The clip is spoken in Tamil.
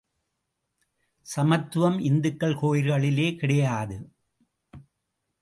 சமத்துவம் இந்துக்கள் கோயில்களிலே கிடையாது.